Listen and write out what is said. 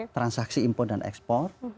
transaksi impor dan ekspor